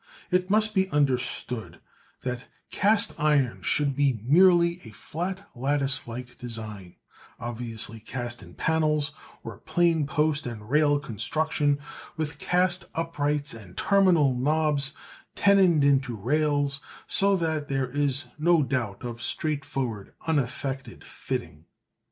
It must be understood that cast iron should be merely a flat lattice like design, obviously cast in panels, or plain post and rail construction with cast uprights and terminal knops tenoned into rails, so that there is no doubt of straightforward unaffected fitting.